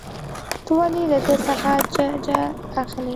ته ولې له ده څخه ججه اخلې.